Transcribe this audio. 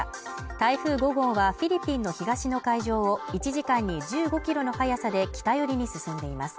台風５号はフィリピンの東の海上を１時間に１５キロの速さで北寄りに進んでいます。